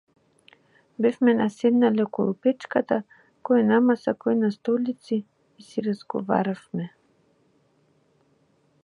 Бевме наседнале околу печката кој на маса кој на столици и си разговаравме.